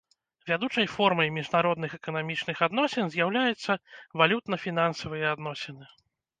Вядучай формай міжнародных эканамічных адносін з'яўляецца валютна-фінансавыя адносіны.